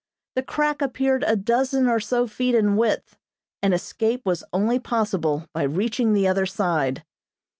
The crack appeared a dozen or so feet in width, and escape was only possible by reaching the other side.